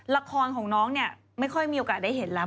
ละครของน้องเนี่ยไม่ค่อยมีโอกาสได้เห็นแล้ว